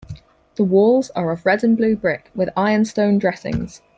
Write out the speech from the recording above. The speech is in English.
The walls are of red and blue brick with ironstone dressings.